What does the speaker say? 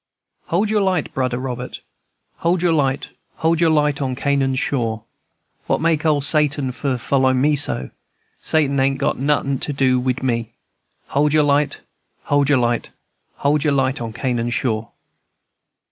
"Hold your light, Brudder Robert, Hold your light, Hold your light on Canaan's shore. "What make ole Satan for follow me so? Satan ain't got notin' for do wid me. Hold your light, Hold your light, Hold your light on Canaan's shore."